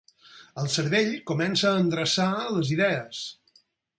El cervell comença a endreçar les idees.